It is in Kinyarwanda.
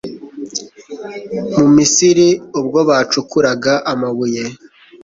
mu Misiri ubwo bacukuraga amabuye